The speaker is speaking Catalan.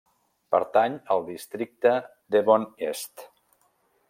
Pertany al districte Devon Est.